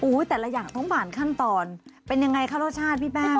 แต่ละอย่างต้องผ่านขั้นตอนเป็นยังไงคะรสชาติพี่แป้ง